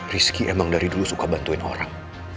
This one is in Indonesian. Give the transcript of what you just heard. rizky emang dari dulu suka bantuin orang